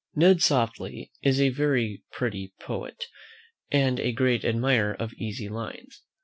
Ned Softly is a very pretty poet, and a great admirer of easy lines.